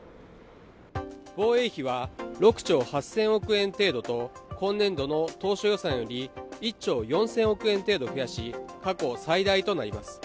防衛費は６兆８０００億円程度と今年度の当初予算より１兆４０００億円程度増やし、過去最大となります。